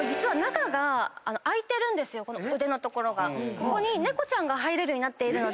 ここに猫ちゃんが入れるようになっているので。